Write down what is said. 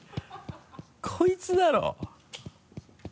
こいつだろ。